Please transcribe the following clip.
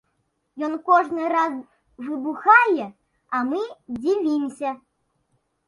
Ён кожны раз выбухае, а мы дзівімся.